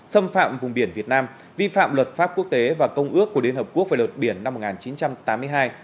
xâm phạm vùng biển việt nam vi phạm luật pháp quốc tế và công ước của liên hợp quốc về luật biển năm một nghìn chín trăm tám mươi hai